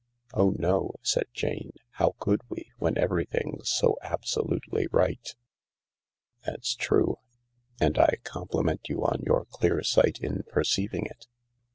" Oh no," said Jane ;" how could we, when everything's so absolutely right ?" "That's true, and I compliment you on your clear sight in perceiving it.